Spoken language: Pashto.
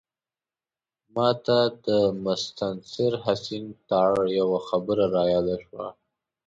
ماته د مستنصر حسین تارړ یوه خبره رایاده شوه.